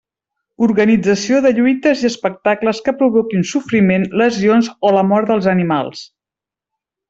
Organització de lluites i espectacles que provoquin sofriment, lesions o la mort dels animals.